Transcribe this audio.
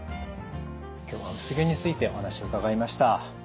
今日は薄毛についてお話を伺いました。